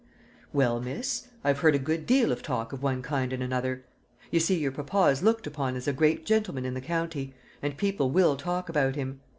"Well, miss, I've heard a good deal of talk of one kind and another. You see, your papa is looked upon as a great gentleman in the county, and people will talk about him.